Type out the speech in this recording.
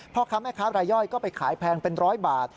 พ่อค้าแม่ค้ารายย่อยก็ไปขายแพงเป็นร้อยบาท